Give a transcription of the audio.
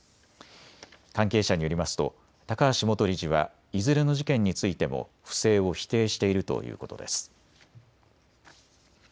関係者によりますと高橋元理事はいずれの事件についても不正を否定しているということです。